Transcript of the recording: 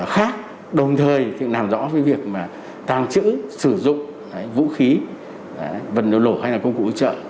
khác đồng thời làm rõ việc tàng trữ sử dụng vũ khí vận lộ hay là công cụ ủi trợ